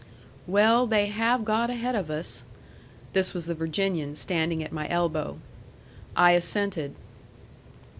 "Well, they have got ahead of us." This was the Virginian standing at my elbow. I assented.